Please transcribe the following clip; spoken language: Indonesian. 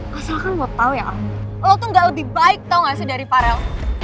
lo kan gak tau ya lo tuh gak lebih baik tau gak sih dari farel